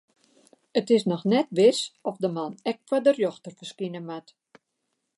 It is noch net wis oft de man ek foar de rjochter ferskine moat.